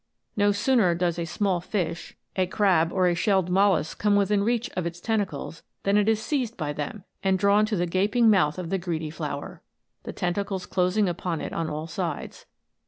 No sooner does a small fish, a crab, 134 ANIMATED FLOWERS. or a shelled mollusk come within reach of its ten tacles, than it is seized by them, and drawn to the gaping mouth of the greedy flower, the tentacles closing upon it on all sides.